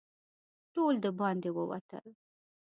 ټول د باندې ووتل.